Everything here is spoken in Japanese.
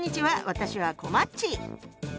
私はこまっち。